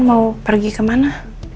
mau pergi kemana